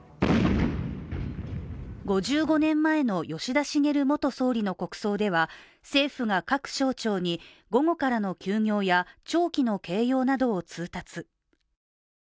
５５年前の吉田茂元総理の国葬では政府が各省庁に、午後からの休業や弔旗の掲揚などを通達。